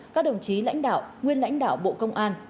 các đồng chí lãnh đạo nguyên lãnh đạo bộ công an